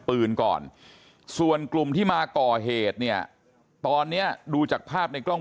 ปืนก่อนส่วนกลุ่มที่มาก่อเหตุเนี่ยตอนเนี้ยดูจากภาพในกล้อง